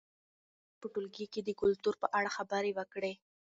موږ پرون په ټولګي کې د کلتور په اړه خبرې وکړې.